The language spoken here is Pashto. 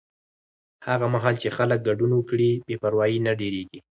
هغه مهال چې خلک ګډون وکړي، بې پروایي نه ډېرېږي.